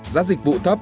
giá dịch vụ thấp